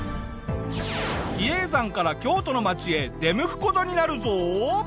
比叡山から京都の町へ出向く事になるぞ。